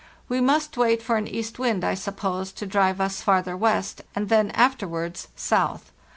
We must wait for an east wind, I suppose, to drive us farther west, and then afterwards south.